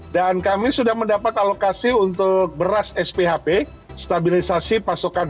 dan kami sudah mendapat alokasi untuk beras sphp stabilisasi pasokan beras